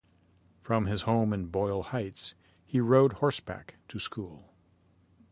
From his home in Boyle Heights, he rode horseback to school.